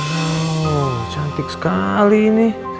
wow cantik sekali ini